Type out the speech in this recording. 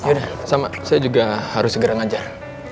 udah sama saya juga harus segera ngajar